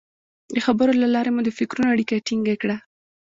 د خبرو له لارې مو د فکرونو اړیکه ټینګه کړه.